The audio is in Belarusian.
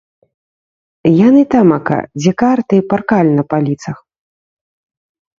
Яны тамака, дзе карты, паркаль на паліцах.